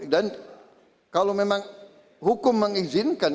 dan kalau memang hukum mengizinkan